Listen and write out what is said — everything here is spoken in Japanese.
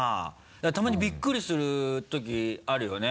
たまにびっくりするときあるよね。